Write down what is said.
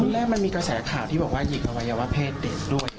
แรกมันมีกระแสข่าวที่บอกว่าหิกอวัยวะเพศเด็กด้วย